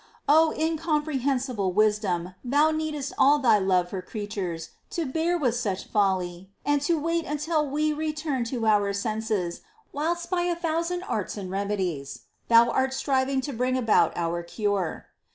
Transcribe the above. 3. O incomprehensible Wisdom ! Thou needest all Thy love for creatures, to bear with such folly, and to 1 Müner, etc., Excl. XII. 96 MINOR WORKS OF ST. TERESA. wait until we return to our senses, whilst by a thousand arts and remedies Thou art striving to bring about our cure.